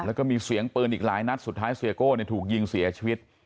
แล้วก็มีเสียงปืนอีกหลายนัดสุดท้ายเสียโก้ถูกยิงเสียชีวิต